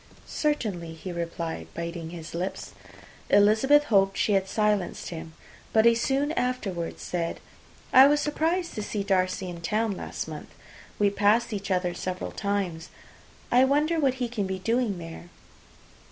"Certainly," he replied, biting his lips. Elizabeth hoped she had silenced him; but he soon afterwards said, "I was surprised to see Darcy in town last month. We passed each other several times. I wonder what he can be doing there."